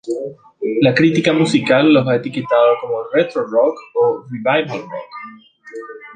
La crítica musical los ha etiquetado como "retro-rock" o "revival rock".